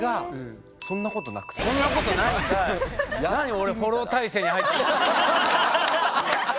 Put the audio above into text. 俺フォロー態勢に入ったのに。